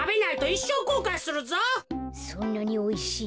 そんなにおいしい？